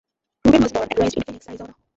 Rubin was born and raised in Phoenix, Arizona.